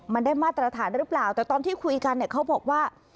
มันได้มาตรฐานหรือเปล่าแต่ตอนที่คุยกันเนี่ยเขาบอกว่า